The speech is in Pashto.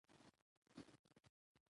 ډېري خبري د انسان ارزښت له منځه وړي.